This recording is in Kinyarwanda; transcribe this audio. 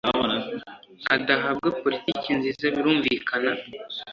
adahabwa politiki nziza birumvikana